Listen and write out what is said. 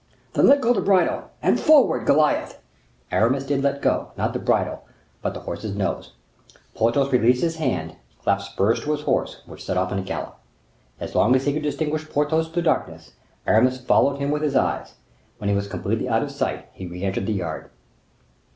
"Then let go the bridle—and forward, Goliath!" Aramis did let go, not the bridle, but the horse's nose. Porthos released his hand, clapped spurs to his horse, which set off at a gallop. As long as he could distinguish Porthos through the darkness, Aramis followed him with his eyes: when he was completely out of sight, he re entered the yard.